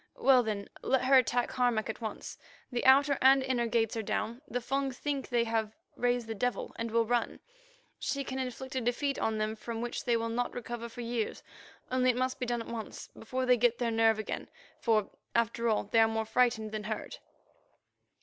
Well, then, let her attack Harmac at once. The outer and inner gates are down; the Fung think they have raised the devil and will run. She can inflict a defeat on them from which they will not recover for years, only it must be done at once, before they get their nerve again, for, after all, they are more frightened than hurt."